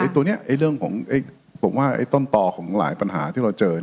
ตัวนี้เรื่องของผมว่าต้นต่อของหลายปัญหาที่เราเจอ